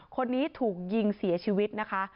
คนนี้ถูกยิงเสียชีวิตนะคะ